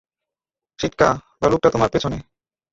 সিটকা, ভালুকটা তোমার পেছনে।